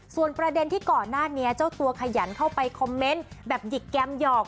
ส่วนประเด็นที่ก่อนหน้านี้เจ้าตัวขยันเข้าไปคอมเมนต์แบบหยิกแกมหยอก